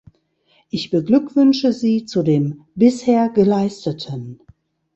Ich beglückwünsche Sie zu dem bisher Geleisteten.